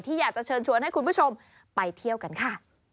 อยากจะเชิญชวนให้คุณผู้ชมไปเที่ยวกันค่ะ